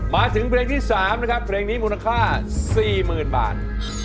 มาถึงเพลงที่๓นะครับเพลงนี้มูลค่า๔๐๐๐บาท